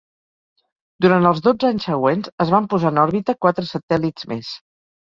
Durant els dotze anys següents, es van posar en òrbita quatre satèl·lits més.